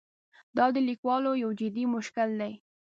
دا د لیکوالو یو جدي مشکل دی.